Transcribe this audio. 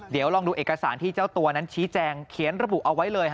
เดี๋ยวลองดูเอกสารที่เจ้าตัวนั้นชี้แจงเขียนระบุเอาไว้เลย